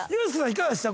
いかがでした？